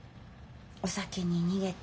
お酒に逃げて。